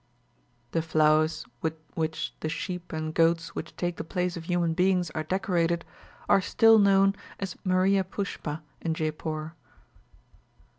The flowers with which the sheep and goats which take the place of human beings are decorated are still known as meriah pushpa in Jeypore.